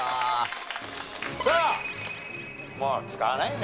さあもう使わないよね。